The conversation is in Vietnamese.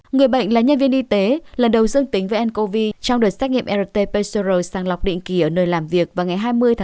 người bệnh là nhân viên y tế lần đầu dương tính với ncov trong đợt xét nghiệm rt pestero sang lọc định kỳ ở nơi làm việc vào ngày hai mươi một mươi hai hai nghìn hai mươi một